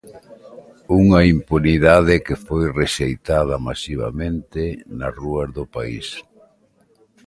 Unha impunidade que foi rexeitada masivamente nas rúas do país.